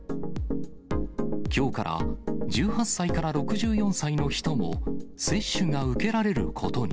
きょうから１８歳から６４歳の人も、接種が受けられることに。